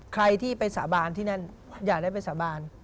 ใครที่ไปสาบานที่นั่นอยากได้ไปสาบาน